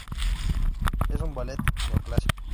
Es un ballet neoclásico.